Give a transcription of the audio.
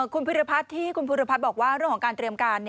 คุณพิรพัฒน์ที่คุณภูริพัฒน์บอกว่าเรื่องของการเตรียมการ